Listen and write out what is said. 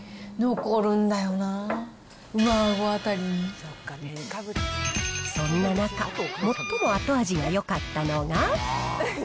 残るんだよなー、そんな中、最も後味がよかったのが。